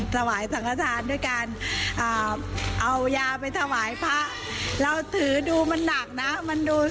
สมมติเราคิดว่าเราอยากไปทำบุญ